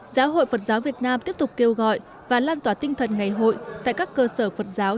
giáo hội phật giáo việt nam tiếp tục kêu gọi và lan tỏa tinh thần ngày hội tại các cơ sở phật giáo